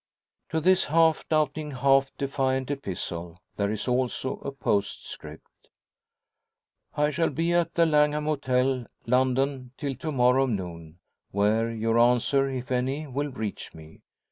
To this half doubting, half defiant epistle there is also a postscript: "I shall be at the Langham Hotel, London, till to morrow noon; where your answer, if any, will reach me.